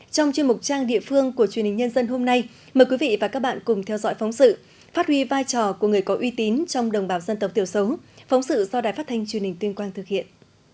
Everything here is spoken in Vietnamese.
trong chuyên mục trang địa phương của truyền hình nhân dân hôm nay mời quý vị và các bạn cùng theo dõi phóng sự phát huy vai trò của người có uy tín trong đồng bào dân tộc thiểu số phóng sự do đài phát thanh truyền hình tuyên quang thực hiện